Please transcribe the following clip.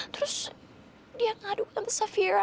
terus dia ngaduk sama safira